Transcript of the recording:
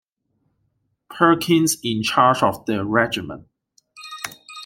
Perkins in charge of the regiment.